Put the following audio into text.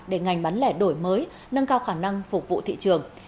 để ngành bán lẻ đổi mới nâng cao khả năng phục vụ thị trường